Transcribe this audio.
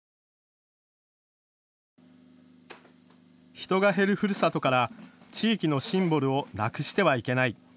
人が減るふるさとから地域のシンボルをなくしてはいけない。